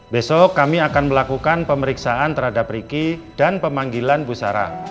besok kami akan melakukan pemeriksaan terhadap riki dan pemanggilan busara